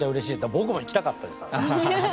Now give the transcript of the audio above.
僕も行きたかったです。